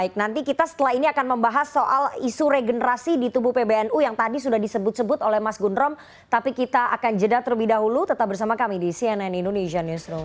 baik nanti kita setelah ini akan membahas soal isu regenerasi di tubuh pbnu yang tadi sudah disebut sebut oleh mas gundrom tapi kita akan jeda terlebih dahulu tetap bersama kami di cnn indonesia newsroom